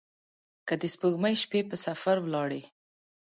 که د سپوږمۍ شپې په سفر ولاړي